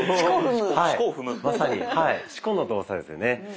まさに四股の動作ですね。